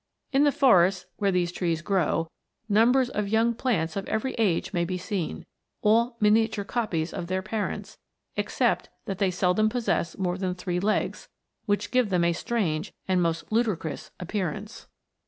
In the forests where these trees grow, numbers of young plants of every age may be seen, all miniature copies of their parents, except that they seldom possess more than three legs, which give them a strange and almost ludicrous appearance."